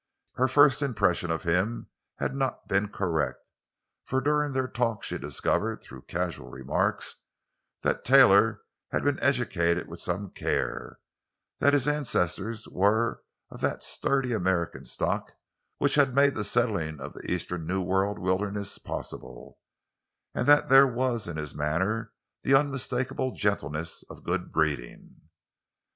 Her first impressions of him had not been correct, for during their talk she discovered through casual remarks, that Taylor had been educated with some care, that his ancestors were of that sturdy American stock which had made the settling of the eastern New World wilderness possible, and that there was in his manner the unmistakable gentleness of good breeding.